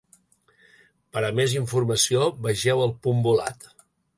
Per a més informació, vegeu el punt volat.